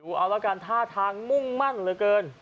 เอาละกันท่าทางมุ่งมั่นเหลือเกิน